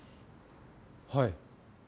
はい。